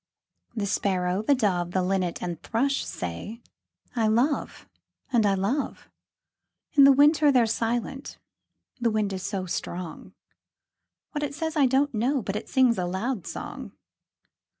The Sparrow, the Dove, The Linnet and Thrush say, 'I love and I love!' In the winter they're silent the wind is so strong; What it says, I don't know, but it sings a loud song.